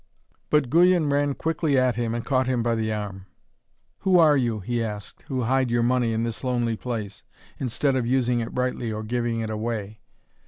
But Guyon ran quickly at him and caught him by the arm. 'Who are you,' he asked, 'who hide your money in this lonely place, instead of using it rightly or giving it away?'